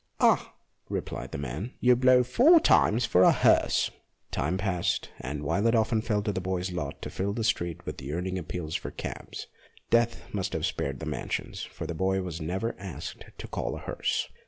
"Ah !" replied the man, " you blow four times for a hearse !" Time passed, and, while it often fell to the boy's lot to fill the street with yearning appeals for cabs, Death must have spared the mansions, for the boy was never asked to call a hearse.